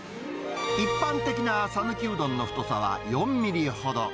一般的な讃岐うどんの太さは４ミリほど。